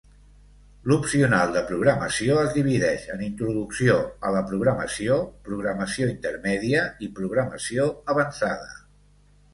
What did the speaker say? L'opcional de programació és divideix en introducció a la programació, programació intermèdia i programació avançada.